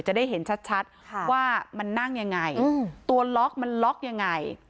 จะได้เห็นชัดว่ามันนั่งยังไงตัวล็อกมันล็อกยังไง